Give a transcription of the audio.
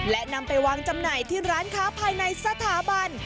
และนำไปวางจำหน่ายที่ร้านค้าภายในสถาบัน